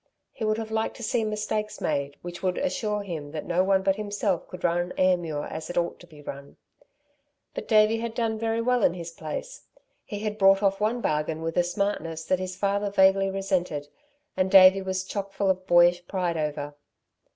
He would have liked to see mistakes made which would assure him that no one but himself could run Ayrmuir as it ought to be run. But Davey had done very well in his place. He had brought off one bargain with a smartness that his father vaguely resented, and Davey was chockful of boyish pride over.